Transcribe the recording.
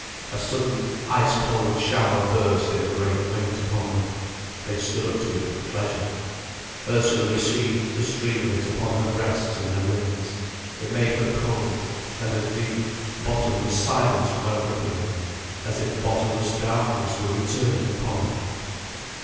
A sudden, ice cold shower burst in a great weight upon them. They stood up to it with pleasure. Ursula received the stream of it upon her breasts and her limbs. It made her cold, and a deep, bottomless silence welled up in her, as if bottomless darkness were returning upon her.